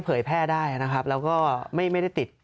เผยแพร่ได้นะครับแล้วก็ไม่ได้ติด